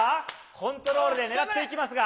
コントロールで狙っていきますが。